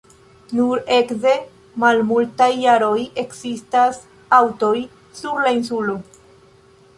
Nur ekde malmultaj jaroj ekzistas aŭtoj sur la insulo.